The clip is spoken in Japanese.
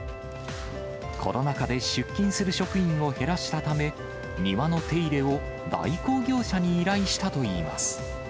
コロナ禍で出勤する職員を減らしたため、庭の手入れを代行業者に依頼したといいます。